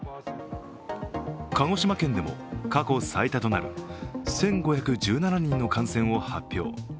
鹿児島県でも過去最多となる１５１７人の感染を発表。